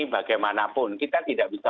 bagaimanapun kita tidak bisa